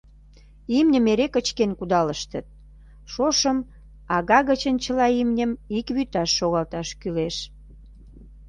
Имньым эре кычкен кудалыштыт, шошым ага гычын чыла имньым ик вӱташ шогалташ кӱлеш.